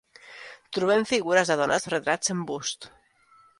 Trobem figures de dones, retrats en bust.